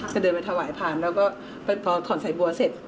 จะเดินไปถวายผ่านแล้วก็พอถอนใส่บัวเสร็จ